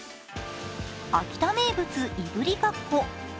秋田名物いぶりがっこ。